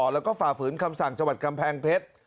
แล้วก็ฝ่าฝืนคำสั่งจังหวัดกำแพงเพชร